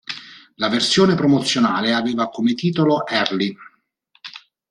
La versione promozionale aveva come titolo "Early".